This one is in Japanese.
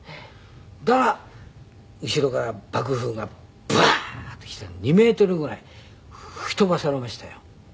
そしたら後ろから爆風がバーッと来て２メートルぐらい吹き飛ばされましたよ。